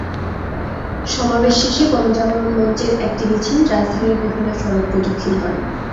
সমাবেশ শেষে গণজাগরণ মঞ্চের একটি মিছিল রাজধানীর বিভিন্ন সড়ক প্রদক্ষিণ করে।